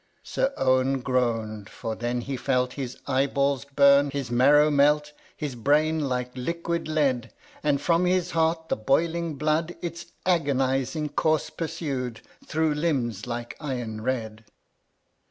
27. Sir Owen groan'd ; for then he felt His eyeballs burn, his marrow melt, His brain like liquid lead ; And from his heart the boiling blood Its agonizing course pursued Through limbs like iron red.